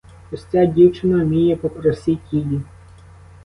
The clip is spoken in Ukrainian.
Ось ця дівчина вміє, попросіть її.